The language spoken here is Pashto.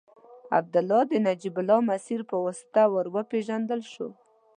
عبدالله د نجیب الله مسیر په واسطه ور وپېژندل شو.